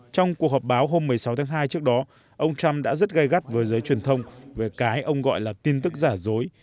trong cuộc họp báo hôm một mươi sáu tháng hai trước đó ông trump đã rất gây gắt với giới truyền thông về cái ông gọi là tin tức giả dối